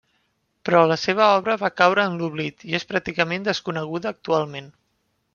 Però la seva obra va caure en l'oblit i és pràcticament desconeguda actualment.